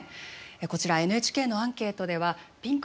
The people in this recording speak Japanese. こちらＮＨＫのアンケートではピンクで示したところ